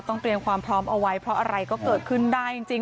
เตรียมความพร้อมเอาไว้เพราะอะไรก็เกิดขึ้นได้จริง